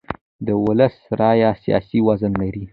د ولس رایه سیاسي وزن لري